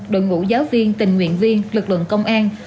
đội ngũ giáo viên tình nguyện viên lực lượng công an